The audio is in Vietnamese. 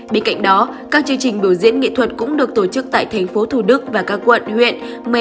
bên cạnh đó các chương trình biểu diễn nghệ thuật cũng được tổ chức tại thành phố thủ đức và các quận huyện